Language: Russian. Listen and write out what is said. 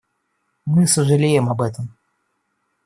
Мы сожалеем об этом.